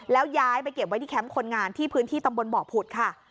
แล้วย้ายไปเก็บไว้ที่แคมป์คนงานที่พื้นที่ตำบลบ่อผุดค่ะ